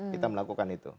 kita melakukan itu